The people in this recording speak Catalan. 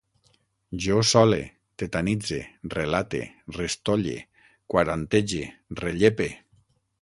Jo sole, tetanitze, relate, restolle, quarantege, rellepe